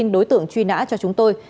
và đối tượng truy nã cho chúng tôi